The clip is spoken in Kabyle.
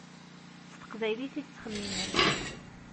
S teqbaylit i tettxemmimem.